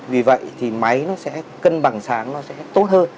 vì vậy thì máy nó sẽ cân bằng sáng nó sẽ tốt hơn